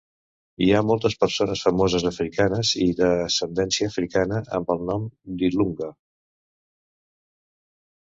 Hi ha moltes persones famoses, africanes i d'ascendència africana, amb el nom d'Ilunga.